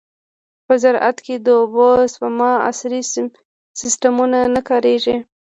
په زراعت کې د اوبو د سپما عصري سیستمونه نه کارېږي.